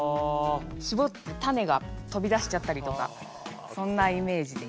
搾ってタネが飛び出しちゃったりとかそんなイメージです。